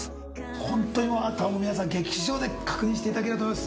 ホントに皆さん劇場で確認していただきたいと思います。